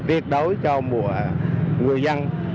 tiệt đối cho người dân